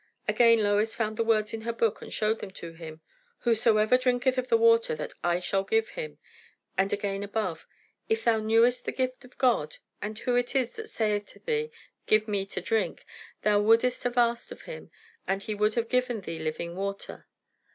Again Lois found the words in her book and showed them to him. "'Whosoever drinketh of the water that I shall give him' and again, above, 'If thou knewest the gift of God, and who it is that saith to thee, Give me to drink, thou wouldest have asked of him, and he would have given thee living water.'